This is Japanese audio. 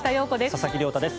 佐々木亮太です。